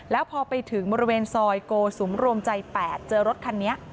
แล้วพอไปถึงบริเวณซอยโกสุมรวมใจ๘เจอรถคันนี้